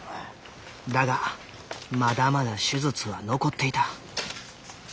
だがまだまだ手術は残っていた